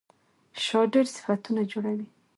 شا ډېر صفتونه جوړوي.